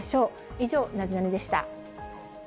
以上、ナゼナニっ？でした。